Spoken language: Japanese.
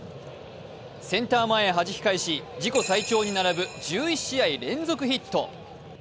センター前へはじき返し、自己最長に並ぶ１１試合連続ヒット。